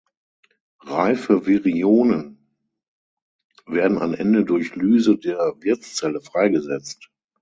Reife Virionen werden an Ende durch Lyse der Wirtszelle freigesetzt.